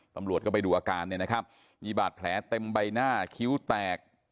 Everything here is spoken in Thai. ตำรวจก็ไปดูอาการเนี่ยนะครับมีบาดแผลเต็มใบหน้าคิ้วแตก